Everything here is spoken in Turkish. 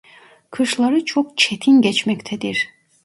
Kışları çok çetin geçmektedir.